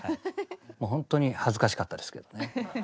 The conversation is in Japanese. ほんとに恥ずかしかったですけどね。